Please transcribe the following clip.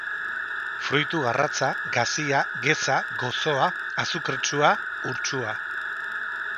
Fruitu garratza, gazia, geza, gozoa, azukretsua, urtsua.